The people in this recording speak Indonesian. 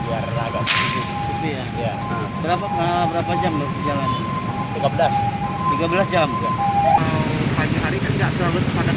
kalau pagi hari kan gak terlalu sepadat